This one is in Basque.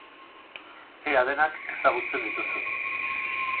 Ea denak ezagutzen dituzun.